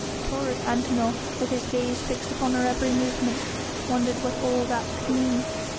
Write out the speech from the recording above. Taurus Antinor, with his gaze fixed upon her every movement, wondered what all that could mean.